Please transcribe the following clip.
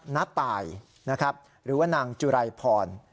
น้าตายนะครับหรือว่านางจุไรพร